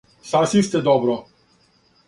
Сасвим сте добро.